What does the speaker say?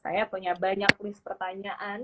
saya punya banyak list pertanyaan